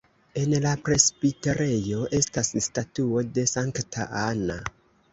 En la presbiterejo estas statuo de Sankta Anna.